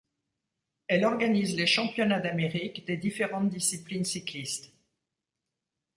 Elle organise les championnats d'Amérique des différentes disciplines cyclistes.